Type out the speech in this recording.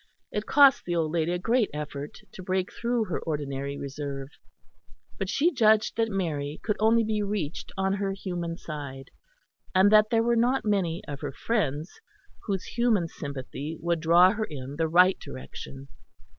It cost the old lady a great effort to break through her ordinary reserve, but she judged that Mary could only be reached on her human side, and that there were not many of her friends whose human sympathy would draw her in the right direction.